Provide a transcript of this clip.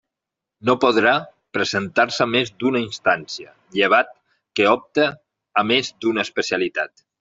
No podrà presentar-se més d'una instància, llevat que opte a més d'una especialitat.